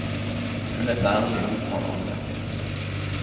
Eg vil lese ærlege omtaler om bøker.